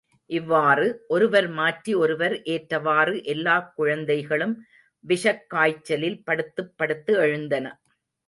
இவ்வாறு, ஒருவர் மாற்றி ஒருவர் என்றவாறு, எல்லா குழந்தைகளும் விஷக் காய்ச்சலில் படுத்துப் படுத்து எழுந்தன.